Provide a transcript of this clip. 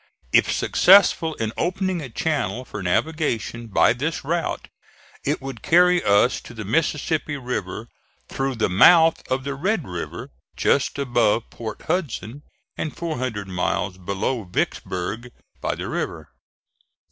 If successful in opening a channel for navigation by this route, it would carry us to the Mississippi River through the mouth of the Red River, just above Port Hudson and four hundred miles below Vicksburg by the river.